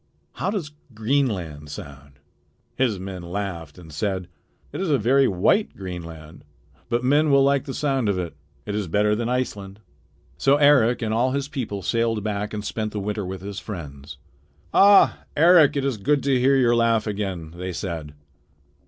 How does Greenland sound?" His men laughed and said: "It is a very white Greenland, but men will like the sound of it. It is better than Iceland." So Eric and all his people sailed back and spent the winter with his friends. "Ah! Eric, it is good to hear your laugh again," they said.